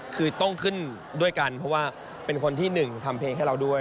คือต้องขึ้นด้วยกันเพราะว่าเป็นคนที่หนึ่งทำเพลงให้เราด้วย